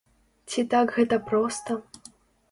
Ці так гэта проста?